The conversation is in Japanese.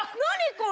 これ。